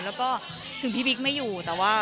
แล้วก็ถึงพี่บิ๊กไม่อยู่